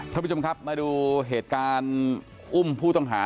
ท่านผู้ชมครับมาดูเหตุการณ์อุ้มผู้ต้องหา